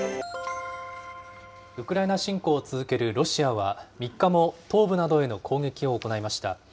ウクライナ侵攻を続けるロシアは、３日も東部などへの攻撃を行いました。